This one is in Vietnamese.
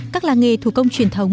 các làng nghề thủ công truyền thống